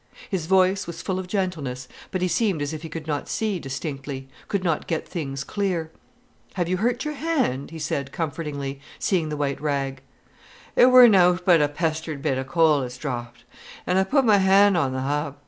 His voice was full of gentleness, but he seemed as if he could not see distinctly, could not get things clear. "Have you hurt your hand?" he said comfortingly, seeing the white rag. "It wor nöwt but a pestered bit o' coal as dropped, an' I put my hand on th' hub.